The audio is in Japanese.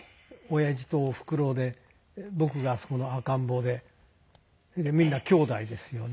親父とおふくろで僕があそこの赤ん坊ででみんなきょうだいですよね。